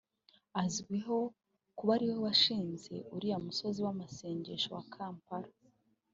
azwiho kuba ariwe washinze uriya musozi w’amasengesho wa Kampala